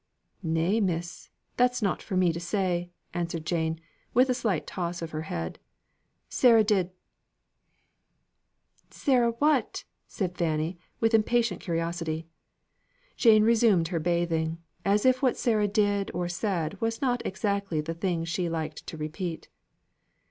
"Nay, miss, that's not for me to say," answered Jane, with a slight toss of her head. "Sarah did " "Sarah what?" said Fanny, with impatient curiosity. Jane resumed her bathing, as if what Sarah did or said was not exactly the thing she liked to repeat.